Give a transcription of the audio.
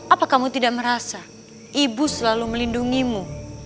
apa kamu tidak merasa ibu selalu melindungimu